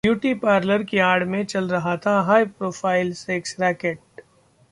beauty parlour की आड़ में चल रहा था हाईप्रोफाइल सेक्स रैकेट